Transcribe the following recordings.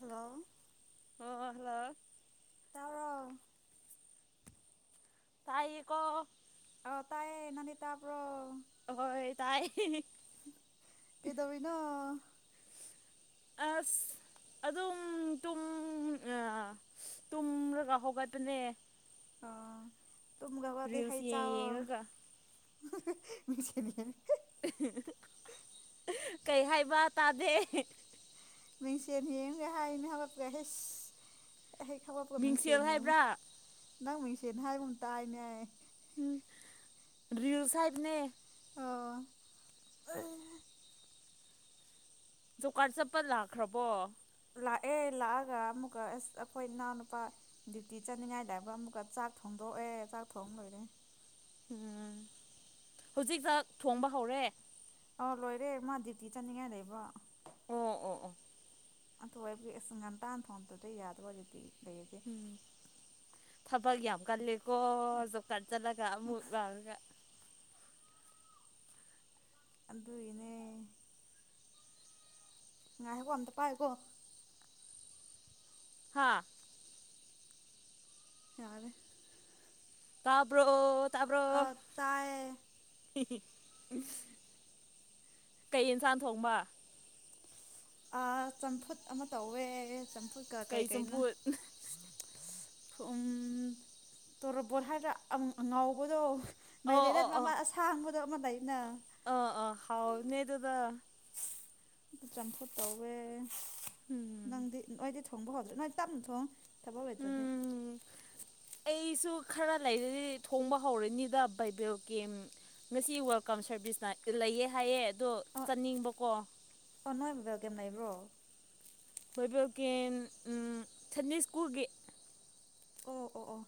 Hello ꯑꯣ hello ꯇꯥꯕ꯭ꯔꯣ ꯇꯥꯏꯌꯦꯀꯣ ꯑ ꯇꯥꯏꯌꯦ ꯅꯪꯗꯤ ꯇꯥꯕꯔꯣ? ꯍꯣꯏ ꯇꯥꯏꯌꯦ ꯀꯩꯗꯧꯔꯤꯅꯣ? ꯑꯁ ꯑꯗꯨꯝ ꯇꯨꯝ ꯑ ꯇꯨꯝꯔꯒ ꯍꯧꯒꯠꯄꯅꯦ꯫ ꯑ ꯇꯨꯝꯕ ꯍꯧꯒꯠꯂꯗꯤ ꯍꯩ ꯔꯤꯜꯁ ꯌꯦꯡ ꯆꯥꯎꯋꯣ꯫ ꯌꯦꯡꯔꯒ ꯃꯤꯆꯅꯤ [unintelligible] ꯀꯩ ꯍꯥꯏꯕ ꯇꯥꯗꯦ꯫ ꯃꯤꯡꯁꯦꯟ ꯌꯦꯡꯉꯒ ꯍꯥꯏꯅꯦ ꯍꯧꯒꯠꯄꯒ ꯍꯦꯁ꯫ ꯑꯦ ꯍꯩꯒꯠꯄꯒ ꯃꯤꯡꯁꯦꯜ ꯃꯤꯡꯁꯦꯟ ꯌꯦꯡꯕ ꯍꯥꯏꯕ꯭ꯔꯥ ꯅꯪ ꯃꯤꯡꯁꯦꯟ ꯍꯥꯏꯕꯒꯨꯝ ꯇꯥꯏꯅꯦ꯫ ꯎꯝ ꯔꯤꯜ ꯍꯥꯏꯕꯅꯦ꯫ ꯑꯣ ꯖꯣꯞ ꯀꯥꯔꯠ ꯆꯠꯄ ꯂꯥꯛꯈ꯭ꯔꯕꯣ? ꯂꯥꯛꯑꯦ ꯂꯥꯛꯑꯒ ꯑꯃꯨꯛꯀ ꯑꯁ ꯑꯩꯈꯣꯏ ꯏꯅꯥꯎꯅꯨꯄꯥ__ ꯗ꯭ꯌꯨꯇꯤ ꯆꯠꯅꯤꯡꯉꯥꯏ ꯂꯥꯏꯕ ꯑꯃꯨꯛꯀ ꯆꯥꯛ ꯊꯣꯡꯗꯣꯛꯑꯦ ꯆꯥꯛ ꯊꯣꯡ ꯂꯣꯏꯔꯦ꯫ ꯎꯝ ꯍꯧꯖꯤꯛ ꯆꯥꯛ ꯊꯣꯡꯕ ꯍꯧꯔꯦ꯫ ꯑ ꯂꯣꯏꯔꯦ ꯃꯥ ꯗ꯭ꯌꯨꯇꯤ ꯆꯠꯅꯤꯡꯉꯥꯏ ꯂꯩꯕ꯫ ꯑꯣ ꯑꯣ ꯑꯣ ꯑꯗꯨ ꯑꯣꯏꯕꯒꯤ ꯑꯁ ꯉꯟꯇꯥꯥꯟꯏ ꯊꯣꯡꯗꯣꯡꯕ ꯌꯥꯗꯕꯒꯤ ꯎꯝ ꯊꯕꯛ ꯌꯥꯝ ꯀꯜꯂꯦꯀꯣ ꯖꯣꯕꯀꯥꯔꯠ ꯆꯠꯂꯒ ꯑꯃꯨꯛ ꯂꯥꯎꯔꯒ꯫ ꯑꯗꯨꯒꯤꯅꯦ꯫ ꯉꯥꯏꯈꯣꯀꯣ ꯑꯝꯇ ꯄꯥꯏꯌꯨꯀꯣ꯫ ꯍꯥꯥ ꯌꯥꯔꯦ꯫ ꯇꯥꯕ꯭ꯔꯣ ꯇꯥꯕ꯭ꯔꯣ ꯑꯥ ꯇꯥꯏꯌꯦ ꯀꯩ ꯑꯦꯟꯁꯥꯡ ꯊꯣꯡꯕ꯫ ꯑ ꯆꯝꯐꯨꯠ ꯑꯃ ꯇꯧꯋꯦ ꯆꯝꯐꯨꯠꯀ ꯀꯩ ꯀꯩꯅꯣ꯫ [inaudible] ꯎꯝ ꯇꯣꯔꯕꯣꯠ ꯍꯥꯏꯔꯥ ꯑꯉꯥꯎꯕꯗꯣ꯫ ꯑꯣ ꯃꯥꯏꯔꯦꯟ ꯅꯠꯇꯕ ꯑꯃ ꯑꯁꯥꯡꯕꯗꯣ ꯑꯃ ꯂꯩꯅ ꯑ ꯑ ꯍꯥꯎꯕꯅꯦ ꯑꯗꯨꯗꯣ꯫ ꯆꯝꯄꯨꯠ ꯇꯧꯋꯦ ꯎꯝ ꯅꯪꯗꯤ꯫ ꯅꯣꯏꯗꯤ ꯊꯣꯡꯕ ꯍꯧꯗ꯭ꯔꯦ ꯅꯣꯏꯗꯤ ꯇꯞꯅ ꯊꯣꯡꯉꯣ ꯊꯕꯛ ꯂꯩꯇ꯭ꯔꯥꯗꯤ꯫ ꯎꯝ ꯑꯩꯁꯨ ꯈꯔ ꯂꯩꯔꯗꯤ ꯊꯣꯡꯕ ꯍꯧꯔꯅꯤꯗ ꯕꯥꯏꯕꯦꯜ ꯒꯦꯝ ꯉꯁꯤ ꯋꯦꯜꯀꯥꯞ ꯁꯥꯔꯚꯤꯁꯅ ꯂꯩꯌꯦ ꯍꯥꯏꯌꯦ ꯑꯗꯣ ꯑꯣ ꯆꯠꯅꯤꯡꯕꯀꯣ ꯑꯣ ꯅꯣꯏ ꯋꯦꯜꯀꯦꯝ ꯂꯩꯕ꯭ꯔꯣ ꯋꯦꯜꯕꯦꯝ ꯚꯦꯝ ꯑꯝ ꯁꯤꯟꯗꯦ ꯁ꯭ꯀꯨꯜꯒꯤ ꯑꯣ ꯑꯣ ꯑꯣ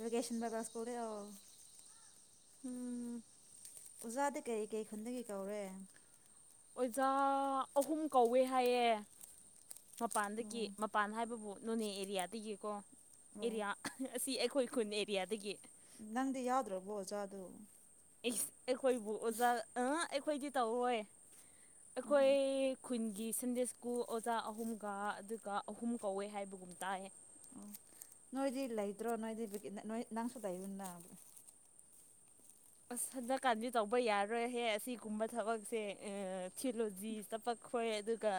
꯭ꯔꯦꯖꯨꯌꯦꯦꯁꯟ ꯕꯥ ꯁ꯭ꯀꯨꯜ ꯂꯩꯦ ꯑ [unintelligible] ꯎꯝ ꯑꯣꯖꯥꯗꯤ ꯀꯩ ꯀꯩ ꯈꯨꯟꯗꯒꯤ ꯀꯧꯔꯦ꯫ ꯑꯣꯖꯥ ꯑꯍꯨꯝ ꯀꯧꯋꯦ ꯍꯥꯏꯌꯦ ꯃꯄꯥꯟꯗꯒꯤ ꯑꯣ ꯃꯄꯥꯟ ꯍꯥꯏꯕꯕꯨ__ ꯅꯣꯅꯦ ꯑꯦꯔꯤꯌꯥꯗꯒꯤꯀꯣ ꯑꯣ ꯑꯦꯔꯤꯌꯥ ꯑꯁꯤ ꯑꯩꯈꯣꯏ ꯈꯨꯟ ꯑꯦꯔꯤꯌꯥꯗꯒꯤ꯫ ꯅꯪꯗꯤ ꯌꯥꯎꯗ꯭ꯔꯥꯕꯣ ꯑꯣꯖꯥꯗꯨ꯫ ꯑꯁ ꯑꯩꯈꯣꯏꯕꯨ ꯑꯣꯖꯥ ꯑ ꯑꯩꯈꯣꯏꯗꯤ ꯇꯧꯔꯣꯏ ꯎꯝ ꯑꯩꯈꯣꯏ ꯎꯝ ꯈꯨꯟꯒꯤ ꯁꯟꯗꯦꯁꯀꯨ ꯑꯣꯖꯥ ꯑꯍꯨꯝꯒ ꯑꯗꯨꯒ ꯑꯍꯨꯝ ꯀꯧꯋꯦ ꯍꯥꯏꯕꯒꯨꯝ ꯇꯥꯏꯌꯦ꯫ ꯑꯣ ꯅꯣꯏꯗꯤ ꯂꯩꯗ꯭ꯔꯣ ꯅꯣꯏꯗꯤ ꯅꯣꯏ ꯅꯪꯁꯨ ꯂꯩꯌꯨꯅ ꯑꯁ ꯍꯟꯗꯛꯀꯥꯟꯗꯤ ꯇꯧꯕ ꯌꯥꯔꯣꯏꯍꯦ ꯑꯁꯤꯒꯨꯝꯕ ꯊꯕꯛꯁꯦ ꯊꯤꯑꯣꯂꯣꯖꯤꯛ ꯈꯣꯢ ꯑꯗꯨꯒ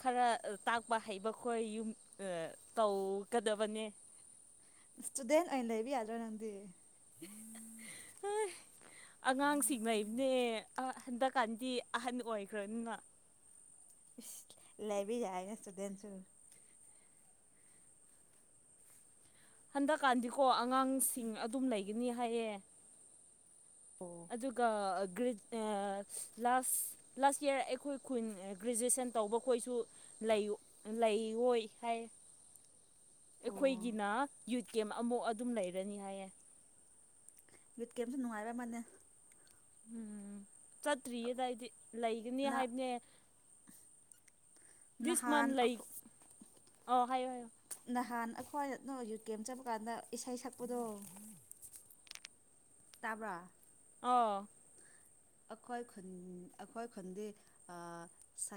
ꯈꯔ ꯇꯥꯛꯄ ꯍꯩꯕ ꯈꯣꯏ ꯌꯨꯝ ꯇꯧꯒꯗꯕꯅꯦ ꯏꯁꯇꯨꯗꯦꯟ ꯑꯣꯏꯅ ꯂꯩꯕ ꯌꯥꯗ꯭ꯔꯣ ꯅꯪꯗꯤ ꯍ ꯑꯉꯥꯡꯁꯤꯡꯅꯗꯤ ꯍꯟꯗꯛꯀꯥꯟꯗꯤ ꯑꯍꯟ ꯑꯣꯏꯈ꯭ꯔꯅꯤꯅ [unintelligible] ꯍꯟꯗꯛꯀꯥꯟꯗꯤꯀꯣ ꯑꯉꯥꯡꯁꯤꯡ ꯑꯗꯨꯝ ꯂꯩꯒꯅꯤ ꯍꯥꯏꯌꯦ ꯑꯣ ꯑꯗꯨꯒ ꯒ꯭ꯔꯤꯠ ꯂꯥꯢꯁ ꯂꯥꯁ ꯌꯔ ꯑꯩꯈꯣꯏ ꯈꯨꯟ ꯒ꯭ꯔꯦꯖꯨꯑꯦꯁꯟ ꯇꯧꯕꯈꯣꯏꯁꯨ ꯂꯩ ꯂꯩꯑꯣꯏ ꯍꯥꯏꯌꯦ ꯑꯣ ꯑꯩꯈꯣꯏꯒꯤꯅ ꯌꯨꯠ ꯀꯦꯝ ꯑꯃꯨꯛ ꯑꯗꯨꯝ ꯂꯩꯔꯅꯤ ꯍꯥꯏꯌꯦ ꯌꯨꯠ ꯀꯩꯝꯁꯨ ꯅꯨꯡꯉꯥꯏꯕ ꯃꯥꯂꯦ ꯎꯝ ꯆꯠꯇ꯭ꯔꯤꯌꯦꯗ ꯑꯩꯗꯤ ꯂꯩꯒꯅꯤ ꯅ ꯍꯥꯏꯕꯅꯦ ꯅꯍꯥꯟ ꯑꯣ ꯍꯥꯏꯌꯨ ꯍꯥꯏꯌꯨ ꯅꯍꯥꯟ ꯑꯩꯈꯣꯏ ꯅ ꯌꯨ ꯀꯦ ꯑꯃ ꯆꯠꯄ ꯀꯥꯟꯗ ꯏꯁꯩ ꯁꯛꯄꯗꯣ ꯇꯥꯕ꯭ꯔꯥ ꯑꯣ ꯑꯩꯈꯣꯏ ꯑꯩꯈꯣꯏ ꯈꯨꯟꯗꯤ ꯑꯥ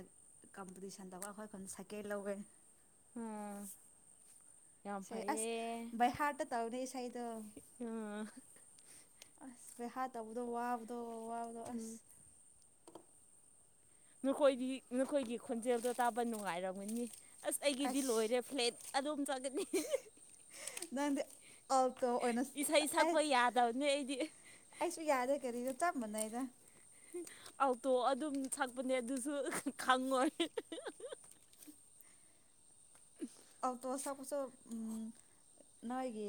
ꯀꯝꯄꯤꯇꯤꯁꯟꯗꯕꯨ ꯑꯩꯈꯣꯏ ꯈꯣꯏꯅ ꯁꯥꯏꯀꯦꯜ ꯂꯧꯋꯦ ꯎꯝ ꯌꯥꯝ ꯏꯁꯩ ꯑꯁ ꯐꯩꯌꯦ ꯚꯥꯏ ꯍꯥꯔꯇ ꯇꯧꯅꯦ ꯏꯁꯩꯗꯣ ꯑꯝ ꯑꯁ ꯚꯩꯍꯥ ꯇꯧꯕꯗꯣ ꯋꯥꯕꯗꯣ ꯋꯥꯕꯗꯣ ꯎꯝ ꯑꯁ ꯅꯈꯣꯏꯗꯤ ꯅꯈꯣꯏꯒꯤ ꯈꯣꯟꯖꯦꯜꯗꯣ ꯇꯥꯕ ꯅꯨꯡꯉꯥꯏꯔꯝꯒꯅꯤ ꯑꯁ ꯑꯩꯒꯤꯗꯤ ꯑꯁ ꯂꯣꯏꯔꯦ ꯐ꯭ꯂꯦꯠ ꯑꯖꯣꯝ ꯆꯒꯠꯅꯤ [unintelligible] [unintelligible] ꯅꯪꯗꯤ ꯑꯜꯇꯣ ꯑꯣꯏꯅ ꯏꯁꯩ ꯇꯥꯛꯑꯦ ꯁꯛꯄ ꯌꯥꯗꯕꯅꯦ ꯑꯩꯗꯤ ꯑꯩꯁꯨ ꯌꯥꯗꯦ ꯀꯔꯤꯔ ꯆꯞ ꯃꯥꯟꯅꯩꯗ ꯑꯣꯜꯇꯣ ꯑꯗꯨꯝ ꯁꯛꯄꯅꯦ ꯑꯗꯨꯁꯨ ꯈꯪꯉꯣꯏ ꯎꯝ [unintelligible] ꯑꯜꯇꯣꯁ ꯁꯥꯛꯄꯁꯨ ꯑꯝ ꯅꯣꯏꯒꯤ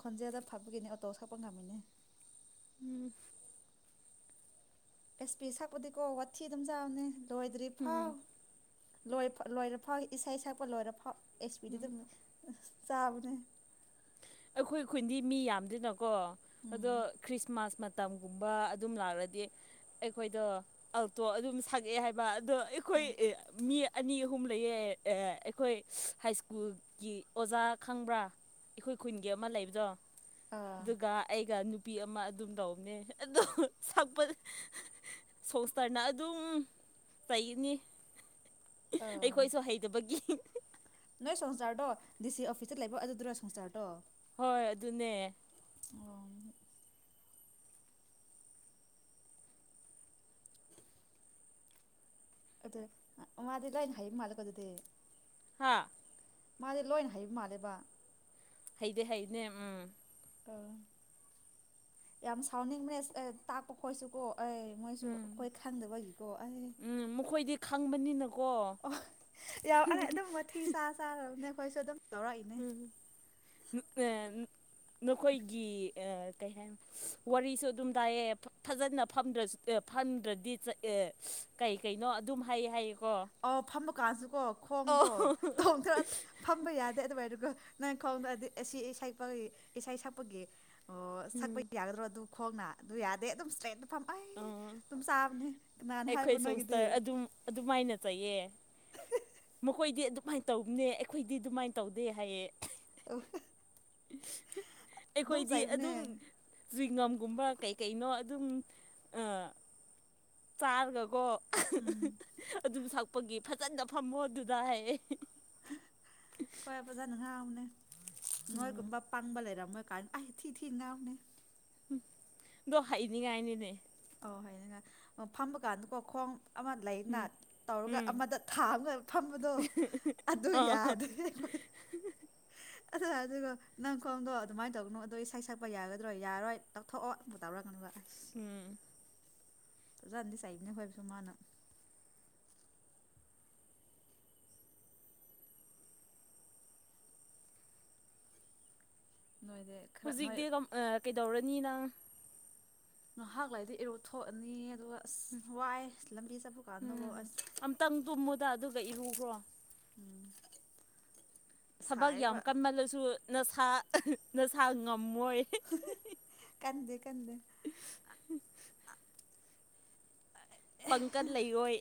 ꯈꯣꯟꯖꯦꯜꯗ ꯐꯕꯒꯤꯅꯤ ꯑꯣꯇꯣ ꯁꯥꯛꯄ ꯉꯝꯃꯤꯅꯦ ꯎꯝ ꯑꯦꯁ ꯄꯤ ꯁꯛꯄꯗꯤꯀꯣ ꯋꯥꯊꯤ ꯑꯗꯨꯝ ꯆꯥꯕꯅꯦ ꯂꯣꯏꯗ꯭ꯔꯤ ꯎꯝ ꯐꯥꯎ ꯂꯣꯏ ꯂꯣꯏꯔ ꯐꯥꯎ ꯏꯁꯩ ꯁꯛꯄ ꯂꯣꯏꯔ ꯐꯥꯎ ꯑꯦꯁ ꯄꯥꯗꯤ ꯑꯗꯨꯝ ꯆꯥꯕꯅꯦ ꯑꯩꯈꯣꯏ ꯈꯨꯟꯗꯤ ꯃꯤ ꯌꯥꯝꯗꯦꯅꯀꯣ ꯎꯝ ꯑꯗꯣ ꯈ꯭ꯔꯤꯁꯃꯥꯁ ꯃꯇꯝꯒꯨꯝꯕ ꯑꯗꯨꯝ ꯂꯥꯛꯂꯗꯤ ꯑꯩꯈꯣꯏꯗꯣ ꯑꯜꯇꯣ ꯑꯗꯨꯝ ꯑꯦ ꯍꯥꯏꯕ ꯑꯗꯣ ꯑꯩꯈꯣꯏ ꯑꯣ ꯃꯤ ꯑꯅꯤ ꯑꯍꯨꯝ ꯂꯩꯌꯦ ꯑꯩꯈꯣꯏ ꯍꯥꯏ ꯁ꯭ꯀꯨꯜꯒꯤ ꯑꯣꯖꯥ ꯈꯪꯕ꯭ꯔꯥ ꯑꯩꯈꯣꯏ ꯈꯨꯟꯒꯤ ꯑꯃ ꯂꯩꯕꯗꯣ ꯑꯥ ꯑꯗꯨꯒ ꯑꯩꯒ ꯅꯨꯄꯤ ꯑꯃ ꯑꯗꯨꯝ ꯇꯧꯕꯅꯦ ꯑꯗꯣ ꯁꯛꯄꯅꯦ ꯁꯣꯡꯁꯇꯔꯅ ꯑꯗꯨꯝ ꯂꯩꯅꯤ ꯑꯥ ꯑꯩꯈꯣꯏꯁꯨ ꯍꯩꯇꯕꯒꯤ ꯅꯣꯏ ꯁꯪꯁꯥꯔꯗꯣ ꯗꯤ ꯁꯤ ꯑꯣꯐꯤꯁꯇ ꯂꯩꯕ ꯑꯗꯨꯗꯨꯔꯣ ꯁꯪꯁꯥꯔꯗꯣ ꯍꯣꯏ ꯑꯗꯨꯅꯦ ꯑꯣ ꯑꯗꯨ ꯃꯥꯗꯤ ꯂꯥꯏꯅ ꯍꯥꯏ ꯃꯥꯜꯂꯦꯀꯣ ꯑꯗꯨꯗꯤ ꯍꯥ ꯃꯥꯗꯤ ꯂꯣꯏꯅ ꯍꯩꯕ ꯃꯥꯜꯂꯦꯕ ꯍꯩꯗꯤ ꯍꯩꯕꯅꯦ ꯎꯝ ꯑ ꯌꯥꯝ ꯁꯥꯎꯅꯤꯡ ꯢꯁ ꯇꯥꯛꯄ ꯈꯣꯠꯁꯨꯀꯣ ꯑꯩꯁ ꯃꯣꯏꯁꯨ ꯎꯝ ꯑꯩꯈꯣꯏ ꯈꯪꯗꯕꯒꯤꯀꯣ ꯑꯩ ꯎꯝ ꯃꯈꯣꯏꯗꯤ ꯈꯪꯕꯅꯤꯅ ꯑꯣ ꯌꯥꯎꯌꯦ ꯑꯗꯨꯝ ꯋꯥꯊꯤ ꯆꯥ ꯆꯥꯔꯕꯅꯦ ꯑꯩꯈꯣꯏꯁꯨ ꯑꯗꯨꯝ ꯇꯧꯔꯛꯏꯅꯦ ꯎꯝ ꯅꯈꯣꯏꯒꯤ ꯀꯩ ꯍꯥꯏ ꯋꯥꯔꯤꯁꯨ ꯑꯗꯨꯝ ꯇꯥꯢꯑꯦ ꯐꯖꯅ ꯐ꯭ꯔꯁꯨ ꯐꯝꯗ꯭ꯔꯗꯤ ꯑꯦ ꯀꯩ ꯀꯩꯅꯣ ꯑꯗꯨꯝ ꯍꯥꯏꯌꯦ ꯍꯥꯏꯌꯦꯀꯣ ꯑꯥꯎ ꯐꯝꯃꯒꯥꯟꯁꯨꯀꯣ ꯈꯣꯡꯗꯣ ꯑꯣ ꯇꯣꯡꯗ꯭ꯔ ꯐꯝꯕ ꯌꯥꯗꯦ ꯑꯗꯨꯋꯥꯏꯗꯨꯒ ꯅꯪ ꯈꯣꯡꯗꯣ ꯑꯁꯤ ꯁ ꯏꯁꯩ ꯁꯛꯄꯒꯤ ꯑꯣ ꯁꯛꯄ ꯎꯝ ꯌꯥꯒꯗ꯭ꯔꯣ ꯑꯗꯨ ꯈꯣꯡꯅ ꯑꯗꯨ ꯌꯥꯗꯦ ꯑꯗꯨꯝ ꯏꯁꯇ꯭ꯔꯦꯠ ꯐꯝꯝ ꯑꯩ ꯑꯥ ꯑꯗꯨꯝ ꯆꯥꯕꯅꯤ ꯀꯅꯥꯅ ꯍꯥꯏꯕ ꯑꯩꯈꯣꯏ ꯅꯣꯏꯒꯤꯗꯤ ꯁꯣꯡꯁꯇꯔ ꯑꯗꯨꯝ ꯑꯗꯨꯃꯥꯏꯅ ꯆꯩꯌꯦ ꯃꯈꯣꯏꯗꯤ ꯑꯗꯨꯃꯥꯏꯅ ꯇꯧꯕꯅꯦ ꯑꯩꯈꯣꯏꯗꯤ ꯑꯗꯨꯃꯥꯏꯅ ꯇꯧꯗꯦ ꯍꯥꯏꯌꯦ ꯑꯗꯨꯝ ꯑꯩꯈꯣꯏꯗꯤ ꯆꯩꯕꯅꯦ ꯑꯗꯨꯝ ꯁ꯭ꯋꯤꯉꯝꯒꯨꯝꯕ ꯀꯩꯀꯩꯅꯣ ꯑꯗꯨꯝ ꯆꯥꯔꯒꯀꯣ ꯎꯝ ꯑꯗꯨ ꯊꯛꯄꯒꯤ ꯐꯖꯅ ꯐꯝꯃꯣ ꯑꯗꯨꯗ ꯍꯥꯏꯌꯦ ꯍꯣꯏ ꯐꯖꯅ ꯍꯥꯡꯉꯕꯅꯦ ꯅꯣꯏꯒꯨꯝꯕ ꯄꯥꯡꯕ ꯂꯩꯔꯝꯃꯣꯏ ꯀꯥꯏꯅ ꯑꯁ ꯊꯤ ꯊꯤꯅ ꯉꯥꯡꯕꯅꯦ ꯎꯝ ꯑꯗꯣ ꯍꯩꯅꯤꯉꯥꯏꯅꯤꯅꯦ ꯑꯣ ꯍꯥꯏꯅꯤꯡꯉꯥꯏ ꯑꯣ ꯐꯝꯃꯀꯥꯟꯗꯀꯣ ꯈꯣꯡ ꯑꯃ ꯂꯩꯅ ꯎꯝ ꯇꯧꯔꯒ ꯎꯝ ꯑꯃꯗ ꯊꯥ ꯑꯃꯒ ꯐꯝꯕꯗꯣ ꯑꯗꯨ ꯌꯥꯗ꯭ꯔꯦ ꯑꯩꯈꯣꯏ ꯎ [inaudible] ꯑ ꯑꯗꯨꯒ ꯅꯪ ꯈꯣꯡꯗꯣ ꯑꯗꯨꯃꯥꯏꯅ ꯇꯧꯒꯅꯨ ꯑꯣ ꯏꯁꯩ ꯁꯛꯄ ꯌꯥꯒꯗ꯭ꯔꯣ ꯌꯥꯔꯣꯏ ꯂꯧꯊꯣꯛꯑꯣ ꯇꯧꯔꯛꯀꯅꯣꯕ ꯑꯁ ꯎꯝ [unintelligible] ꯇꯖꯥꯟꯗꯤ ꯆꯥꯏꯕꯅꯦ ꯍꯣꯏꯕꯁꯨ ꯃꯥꯅ ꯅꯣꯏꯗꯤ ꯈꯔ ꯅꯣꯏ ꯍꯧꯖꯤꯛꯇꯤ ꯀꯩꯗꯧꯔꯅꯤ ꯅꯪ ꯉꯥꯏꯍꯥꯛ ꯂꯩꯔꯗꯤ ꯏꯔꯨ ꯊꯣꯛꯑꯅꯤ ꯑꯗꯨꯒ ꯑꯁ ꯋꯥꯏ ꯂꯝꯕꯤ ꯆꯠꯄ ꯀꯥꯟꯗꯒꯣ ꯑꯁ ꯈꯤꯇꯪ ꯇꯨꯝꯃꯨꯗ ꯑꯗꯨꯒ ꯏꯔꯨꯈ꯭ꯔꯣ ꯎꯝ ꯊꯕꯛ ꯌꯥꯝ ꯁꯥꯏꯕ ꯀꯟꯃꯜꯂꯁꯨ ꯅꯁꯥ ꯅꯁꯥ ꯉꯝꯃꯣꯏ ꯀꯥꯟꯗꯦ ꯀꯥꯟꯗꯦ [inaudible] ꯄꯪꯀꯥꯜ ꯂꯩꯔꯣꯏ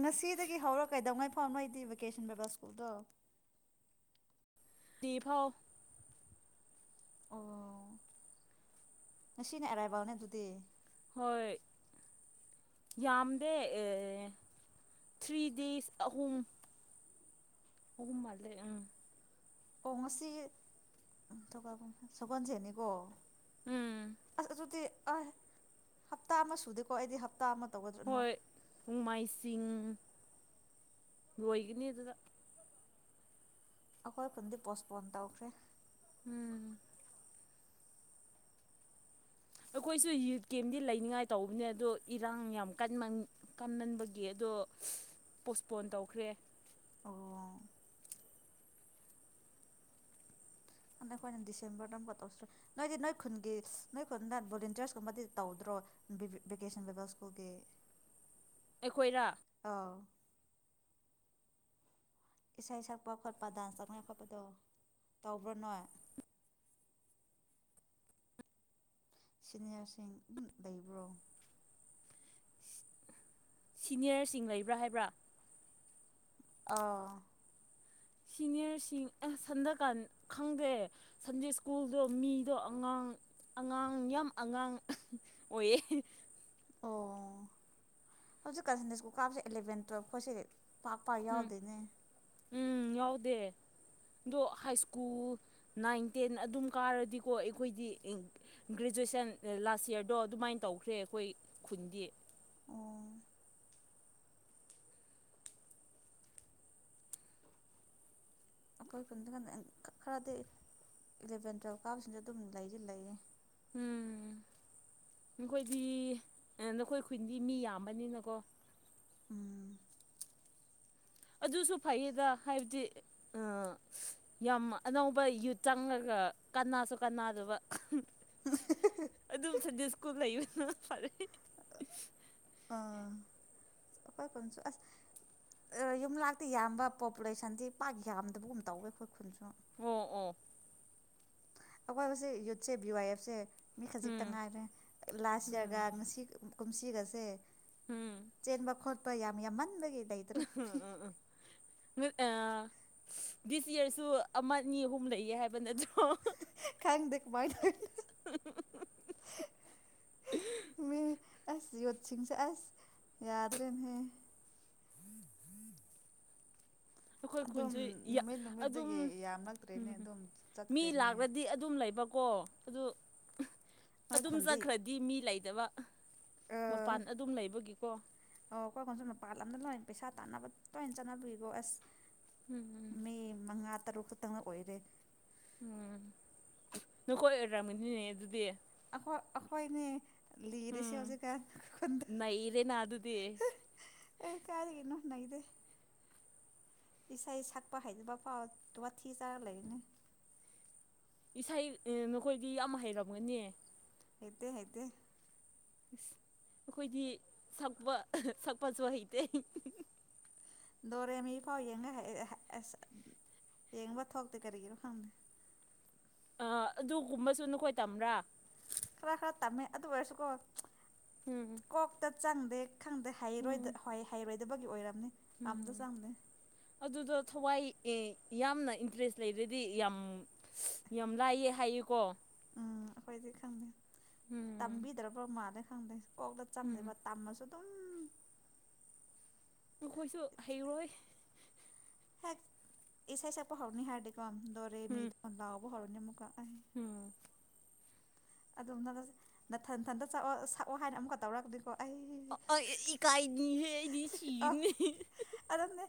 ꯉꯁꯤꯗꯒꯤ ꯍꯧꯔꯒ ꯀꯩꯗꯧꯉꯥꯏ ꯐꯥꯎ ꯅꯣꯏꯗꯤ ꯕꯦꯀꯦꯁꯟ ꯕꯤꯕꯥ ꯁ꯭ꯀꯨꯜꯗꯣ [unintelligible] ꯐꯥꯎ ꯑꯣ ꯉꯁꯤꯅ ꯑꯔꯥꯏꯕꯜꯅꯦ ꯑꯗꯨꯗꯤ ꯍꯣꯏ ꯌꯥꯝꯗꯦ ꯊ꯭ꯔꯤ ꯗꯦꯖ ꯑꯍꯨꯝ ꯑꯍꯨꯝ ꯃꯥꯂꯦ ꯑꯝ ꯑꯣ ꯉꯁꯤ ꯁꯒꯣꯜꯁꯦꯟꯅꯤꯀꯣ ꯎꯝ ꯑꯁ ꯑꯗꯨꯗꯤ ꯑ ꯍꯞꯇꯥ ꯑꯃ ꯁꯨꯗꯦꯀꯣ ꯑꯩꯗꯤ ꯇꯥ ꯑꯃ [unintelligible] ꯇꯧꯒꯗ꯭ꯔꯥꯅꯣ ꯍꯣꯏ ꯅꯣꯡꯃꯥꯏꯁꯤꯡ ꯂꯣꯏꯒꯅꯤ ꯑꯗꯨꯗ ꯑꯩꯈꯣꯏ ꯈꯨꯟꯗꯤ ꯄꯣꯁꯄꯣꯟ ꯇꯧꯈ꯭ꯔꯦ ꯎꯝ ꯑꯩꯈꯣꯏꯁꯨ ꯌꯨꯠ ꯀꯦꯝꯗꯤ ꯂꯩꯅꯤꯡꯉꯥꯏ ꯇꯧꯕꯅꯦ ꯑꯗꯣ ꯏꯔꯥꯡ ꯌꯥꯝ ꯀꯟꯃꯥꯟ ꯀꯝꯅꯟꯕꯒꯤ ꯑꯗꯣ ꯄꯣꯁꯄꯣꯟ ꯇꯧꯈ꯭ꯔꯦ ꯑꯣ ꯑꯈꯣꯏꯅ ꯗꯤꯁꯦꯝꯕꯔꯗ ꯑꯃꯨꯛ ꯇꯧꯁꯦ ꯅꯣꯏꯗꯤ ꯅꯣꯏ ꯈꯨꯟꯒꯤ ꯅꯣꯏ ꯈꯨꯟꯗ ꯕꯣꯂꯦꯟꯇꯔꯁꯀꯨꯝꯕꯗꯤ ꯇꯧꯗ꯭ꯔꯣ ꯚꯦꯀꯦꯁꯟꯗꯒ ꯁ꯭ꯀꯨꯜꯒꯤ ꯑꯩꯈꯣꯏꯔ ꯑꯥꯎ ꯏꯁꯩ ꯁꯛꯄ ꯈꯣꯠꯄ ꯗꯥꯟꯁ ꯇꯧꯅꯤꯡꯉꯥꯢ ꯈꯣꯠꯄꯗꯣ ꯇꯧꯕ꯭ꯔꯣ ꯅꯣꯢ ꯁꯤꯅꯤꯌꯥꯔꯁꯤꯡ ꯑꯗꯨꯝ ꯂꯩꯕ꯭ꯔꯣ ꯁꯤꯅꯤꯌꯔꯁꯤꯡ ꯂꯩꯕ꯭ꯔꯥ ꯍꯥꯏꯕ꯭ꯔꯥ ꯑꯥ ꯁꯤꯅꯤꯌꯔꯁꯤꯡ ꯁꯟꯗꯀꯥꯟ ꯈꯪꯗꯦ ꯁꯟꯗꯦ ꯁ꯭ꯀꯨꯜꯗꯣ ꯃꯤꯗꯣ ꯑꯉꯥꯡ ꯑꯉꯥꯡ ꯌꯥꯝ ꯑꯉꯥꯡ ꯑꯣꯏꯌꯦ ꯑꯣ ꯍꯧꯖꯤꯛꯀꯁꯤꯟꯗ ꯁ꯭ꯀꯨꯜ ꯀꯥꯞꯕꯁꯦ ꯑꯦꯂꯚꯦꯟ ꯇꯨꯌꯦꯜꯞ ꯈꯣꯢꯁꯤ ꯄꯥꯛ ꯄꯥꯛ ꯎꯝ ꯌꯥꯎꯗꯦꯅꯦ ꯎꯝ ꯌꯥꯎꯗꯦ ꯑꯗꯣ ꯍꯥꯏ ꯁ꯭ꯀꯨꯜ ꯅꯥꯏꯟ ꯇꯦꯟ ꯑꯗꯨꯝ ꯀꯥꯔꯗꯤꯀꯣ ꯑꯩꯈꯣꯏꯗꯤ ꯒ꯭ꯔꯦꯖꯨꯑꯦꯁꯟ ꯂꯥꯁ ꯌꯔꯗꯣ ꯑꯗꯨꯃꯥꯏꯅ ꯇꯧꯈ꯭ꯔꯦ ꯑꯩꯈꯣꯏ ꯈꯨꯟꯗꯤ ꯑꯣ ꯑꯩꯈꯣꯏ ꯀꯟꯗ ꯈꯔꯗꯤ ꯏꯂꯚꯦꯟ ꯇꯨꯌꯦꯜꯞ ꯀꯥꯕꯁꯤꯡ ꯑꯗꯨꯝ ꯂꯩꯗꯤ ꯂꯩꯔꯦ ꯎꯝ ꯅꯈꯣꯏꯗꯤ ꯅꯈꯣꯏ ꯈꯨꯟꯗꯤ ꯃꯤ ꯌꯥꯝꯕꯅꯤꯅꯀꯣ ꯎꯝ ꯑꯗꯨꯁꯨ ꯐꯩꯌꯦꯗ ꯍꯥꯏꯕꯗꯤ ꯌꯥꯝ ꯑꯅꯧꯕ ꯌꯨꯠ ꯆꯪꯉꯒ ꯀꯅꯥꯁꯨ ꯀꯅꯥꯗꯕ ꯑꯗꯨꯝ ꯁꯟꯗꯦ ꯁ꯭ꯀꯨꯜ ꯂꯩꯌꯨꯅ ꯐꯔꯦ ꯑꯥ [unintelligible] ꯑꯁ ꯌꯨꯝꯂꯥꯛꯇꯤ ꯌꯥꯝꯕ ꯄꯣꯄꯨꯂꯦꯁꯟꯗꯤ ꯄꯥꯛ ꯌꯥꯝꯗꯕꯒꯨꯝ ꯇꯧꯋꯦ ꯑꯩꯈꯣꯏ ꯈꯨꯟꯁꯨ ꯑꯣ ꯑꯣ ꯑꯋꯥꯕꯁꯦ ꯌꯨꯠꯁꯦ ꯕꯤ ꯋꯥꯏ ꯑꯦꯐ ꯁꯦ ꯃꯤ ꯈꯖꯤꯛꯇ ꯎꯝ ꯉꯥꯏꯔꯦ ꯂꯥꯁ ꯎꯝ ꯌꯔꯒ ꯉꯁꯤ ꯀꯨꯝꯁꯤꯒꯁꯦ ꯎꯝ ꯆꯦꯟꯕ ꯈꯣꯠꯄ ꯌꯥꯝ ꯌꯥꯝꯃꯟꯕꯒꯤ ꯑꯇꯩ [unintelligible] ꯑꯥ ꯗꯤꯁ ꯌꯔꯁꯨ ꯑꯃꯅꯤ ꯑꯍꯨꯝ ꯂꯩꯌꯦ ꯍꯥꯏꯕ ꯅꯠꯇ꯭ꯔꯣ ꯈꯪꯗꯦ ꯀꯃꯥꯏ [unintelligible] [inaudible] ꯃꯤ ꯑꯁ ꯌꯣꯠꯁꯤꯡꯁꯦ ꯑꯁ ꯌꯥꯗ꯭ꯔꯦꯟꯍꯦ ꯑꯩꯈꯣꯏ ꯑꯗꯨꯝ ꯈꯨꯟꯁꯨ ꯅꯨꯃꯤꯠ ꯑꯗꯨꯝ ꯅꯨꯃꯤꯠꯇꯒꯤ ꯌꯥꯝꯂꯛꯇ꯭ꯔꯦꯅꯦ ꯎꯝ ꯑꯗꯨꯝ ꯃꯤ ꯆꯠꯈ꯭ꯔꯦꯅꯦ ꯂꯥꯛꯔꯗꯤ ꯑꯗꯨꯝ ꯂꯩꯕꯀꯣ ꯑꯗꯨ ꯅꯣꯏ ꯑꯗꯨꯝ ꯈꯨꯟꯗꯤ ꯆꯠꯈ꯭ꯔꯗꯤ ꯃꯤ ꯂꯩꯇꯕ ꯃꯄꯥꯟ ꯑꯗꯨꯝ ꯂꯩꯕꯒꯤꯀꯣ ꯑꯣ ꯍꯣꯢ ꯍꯣꯟꯁꯨ ꯃꯄꯥꯟ ꯂꯝꯗ ꯂꯣꯏ ꯄꯩꯁꯥ ꯇꯥꯟꯅꯕ ꯇꯣꯏ ꯆꯠꯂꯝꯗꯨꯔꯤꯕꯣ ꯑꯁ ꯎꯝ ꯃꯤ ꯃꯉꯥ ꯇꯔꯨꯛ ꯈꯛꯇꯪꯅ ꯑꯣꯏꯔꯦ ꯎꯝ ꯅꯈꯣꯏ ꯑꯣꯏꯔꯝꯃꯤꯅꯤꯅꯦ ꯑꯗꯨꯗꯤ ꯑꯈꯣꯏ ꯑꯈꯣꯏꯅꯦ ꯂꯤꯔꯤꯁꯦ ꯍꯧꯖꯤꯛꯀꯥꯟ ꯈꯣꯢ ꯈꯨꯟꯗ ꯅꯩꯔꯦꯅ ꯑꯗꯨꯗꯤ ꯑꯦ ꯀꯥꯢꯗꯒꯤꯅꯣ ꯍꯥꯢꯗꯦ ꯏꯁꯩ ꯁꯛꯄ ꯍꯩꯕꯐꯥꯎ ꯗꯨ ꯋꯥꯊꯤ ꯆꯥꯕ ꯂꯩꯕꯅꯦ ꯏꯁꯩꯗꯤ ꯅꯈꯣꯏꯗꯤ ꯌꯥꯝ ꯍꯩꯔꯝꯒꯅꯤ ꯍꯩꯇꯦ ꯍꯩꯇꯦ ꯑꯩꯈꯣꯏꯗꯤ ꯁꯛꯄ ꯁꯛꯄꯖꯨ ꯍꯩꯇꯦ ꯗꯣꯔꯦꯃꯤꯐꯥꯎ ꯌꯦꯡꯅ ꯍꯩꯔꯦ ꯑꯁ ꯌꯦꯡꯕ ꯊꯣꯛꯇꯦ ꯀꯔꯤꯒꯤꯔꯣ ꯈꯪꯗꯦ ꯑ ꯑꯗꯨꯒꯨꯝꯕꯁꯨ ꯅꯈꯣꯏ ꯇꯝꯕ꯭ꯔꯥ ꯈꯔ ꯈꯔ ꯇꯝꯃꯦ ꯑꯗꯨ ꯑꯣꯏꯔꯁꯨꯀꯣ ꯎꯝ ꯀꯣꯛꯇ ꯆꯪꯗꯦ ꯈꯪꯗꯦ ꯍꯩꯔꯣꯏꯗ ꯎꯝ ꯍꯣꯏ ꯍꯩꯔꯣꯏꯗꯕꯒꯤ ꯑꯣꯏꯔꯝꯅꯤ ꯎꯝ ꯑꯝꯇ ꯆꯪꯗꯦ ꯑꯗꯨꯗ ꯊꯋꯥꯏ ꯑꯦ ꯌꯥꯝꯅ ꯏꯟꯇꯔꯦ꯭ꯁ ꯂꯩꯔꯗꯤ ꯌꯥꯝ ꯌꯥꯝ ꯂꯥꯏꯌꯦ ꯍꯥꯏꯌꯦꯀꯣ ꯎꯝ ꯑꯩꯈꯣꯏꯗꯤ ꯈꯪꯗꯦ ꯎꯝ ꯇꯝꯕꯤꯗ꯭ꯔꯕ꯭ꯔ ꯃꯥꯂꯦ ꯈꯪꯗꯦ ꯀꯣꯛꯇ ꯆꯪꯗꯦꯕ ꯎꯝ ꯇꯝꯃꯁꯨ ꯑꯗꯨꯝ ꯑꯥꯈꯣꯏꯁꯨ ꯍꯩꯔꯣꯏ ꯍꯦꯛ ꯏꯁꯩ ꯁꯛꯄ ꯍꯧꯔꯅꯤ ꯍꯥꯏꯔꯗꯤꯀꯣ ꯎꯝ ꯗꯣꯔꯦꯃꯤ [unintelligible] ꯂꯥꯎꯕ ꯍꯧꯔꯅꯤꯕꯀꯣ ꯎꯝ ꯑꯗꯨꯝ ꯅꯒꯥ ꯅꯊꯟꯊꯟꯇꯁꯛꯑꯣ ꯑꯁ ꯁꯛꯑꯣ ꯍꯥꯏꯅ ꯑꯃꯨꯛꯀ ꯇꯧꯔꯛꯑꯥꯗꯤꯀꯣ ꯑꯩ ꯑꯦ ꯑꯩ ꯏꯀꯥꯏꯅꯤꯍꯦ ꯑꯩꯗꯤ ꯁꯤꯅꯤ꯫ ꯑꯔꯟꯅꯦ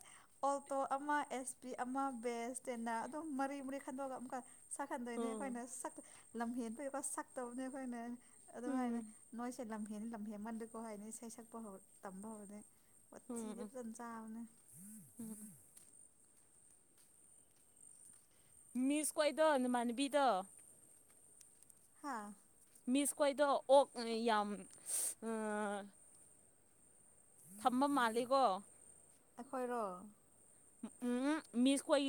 ꯑꯣꯜꯇꯣ ꯑꯃ ꯑꯦꯁ ꯄꯤ ꯑꯃ ꯕꯦꯁ ꯇꯦꯟꯅꯥ ꯑꯗꯨꯝ ꯃꯔꯤ ꯃꯔꯤ ꯈꯟꯗꯣꯛꯑꯒ ꯑꯃꯨꯛꯀ ꯁꯛꯍꯟꯗꯣꯏꯅꯦ ꯎꯝ ꯑꯩꯈꯣꯏꯅ ꯁꯛ ꯂꯝꯍꯦꯟꯕꯩꯕ ꯁꯛꯇꯕꯅꯦꯕ ꯅꯦ ꯑꯗꯨꯝ ꯎꯝ ꯍꯥꯏꯅꯦ ꯅꯣꯏꯁꯦ ꯂꯝꯍꯦꯟꯂꯤ ꯂꯝꯍꯦꯟꯃꯟꯗꯀꯣ ꯍꯥꯏꯅꯤ ꯏꯁꯩ ꯁꯛꯄ ꯍꯧꯔꯛ ꯇꯝꯕ ꯍꯧꯔꯗꯤ ꯫ ꯋꯥꯊꯤꯗꯤ ꯎꯝ ꯐꯖꯟ ꯆꯥꯕꯅꯦ꯫ ꯎꯝ꯫ ꯃꯤꯁ ꯀꯣꯏꯗꯣ ꯅꯃꯥꯟꯅꯕꯤꯗꯣ ꯍꯥꯥ ꯃꯤꯁ ꯈꯣꯏꯗꯣ ꯑꯣꯛ ꯅꯦ ꯌꯥꯝ ꯑꯥ ꯊꯝꯕ ꯃꯥꯜꯂꯤꯀꯣ ꯑꯩꯈꯣꯏꯔꯣ ꯎꯝ ꯃꯤꯁ ꯈꯣꯏꯒꯤ